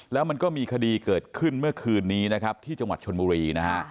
แล้วมันก็มีคดีเกิดขึ้นเมื่อคืนนี้นะครับที่จังหวัดชนบุรีนะฮะ